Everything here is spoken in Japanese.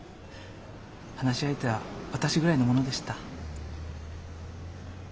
話し相手は私ぐらいのものでした。